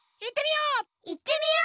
いってみよう！